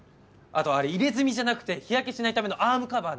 あとあれ入れ墨じゃなくて日焼けしないためのアームカバーね。